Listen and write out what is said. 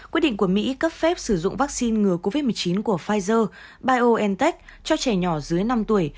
quyết định của mỹ cấp phép sử dụng vaccine ngừa covid một mươi chín của pfizer biontech cho trẻ nhỏ dưới năm tuổi